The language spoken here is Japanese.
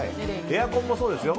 エアコンもそうですよ。